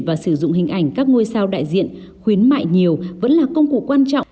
và sử dụng hình ảnh các ngôi sao đại diện khuyến mại nhiều vẫn là công cụ quan trọng